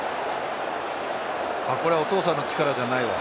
これはお父さんの力じゃないわ。